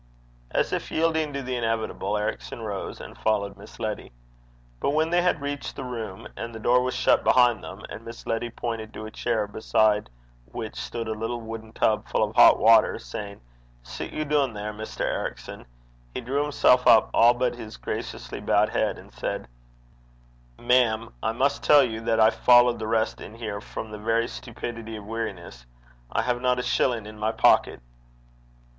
As if yielding to the inevitable, Ericson rose and followed Miss Letty. But when they had reached the room, and the door was shut behind them, and Miss Letty pointed to a chair beside which stood a little wooden tub full of hot water, saying, 'Sit ye doon there, Mr. Ericson,' he drew himself up, all but his graciously bowed head, and said, 'Ma'am, I must tell you that I followed the rest in here from the very stupidity of weariness. I have not a shilling in my pocket.'